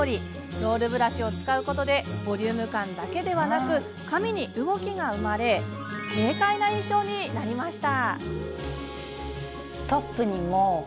ロールブラシを使うことでボリューム感だけではなく髪に動きが生まれ軽快な印象になりました。